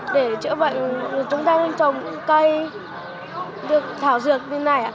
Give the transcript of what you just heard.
để chữa bệnh chúng ta nên trồng cây thảo dược như này